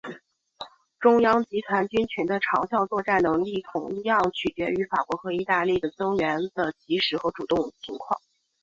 中央集团军群的长效作战能力同样取决于法国和意大利的增援的及时和主动情况。